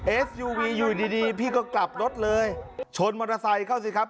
เอสยูวีอยู่ดีดีพี่ก็กลับรถเลยชนมอเตอร์ไซค์เข้าสิครับ